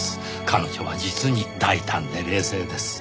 彼女は実に大胆で冷静です。